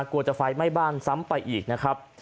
กลัวจะไฟไหม้บ้านซ้ำไปอีกนะครับ